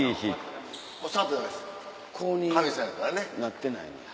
公認になってないねや。